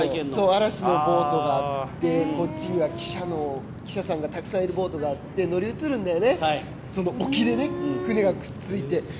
嵐のボートがあって、こっちには記者さんがたくさんいるボートがあって、乗り移るんだよね、その沖でね、船がくっついて。